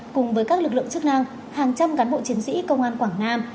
cùng với các lực lượng chức năng hàng trăm cán bộ chiến sĩ công an quảng nam